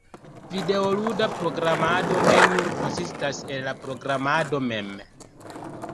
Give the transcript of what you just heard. videoluda programado ne nur konsistas el la programado mem.